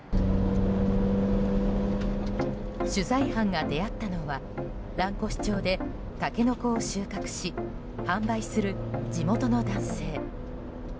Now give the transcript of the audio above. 取材班が出会ったのは蘭越町でタケノコを収穫し販売する地元の男性。